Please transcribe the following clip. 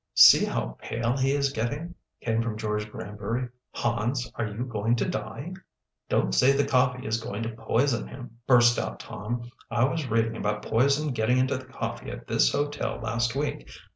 "See how pale he is getting," came from George Granbury. "Hans, are you going to die? "Don't say the coffee is going to poison him," burst out Tom. "I was reading about poison getting into the coffee at this hotel last week.